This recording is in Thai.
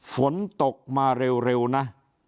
ฝนตกมาเร็วนะ